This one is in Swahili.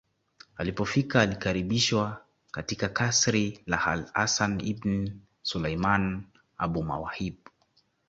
Alipofika alikaribishwa katika kasri la alHasan ibn Sulaiman AbulMawahib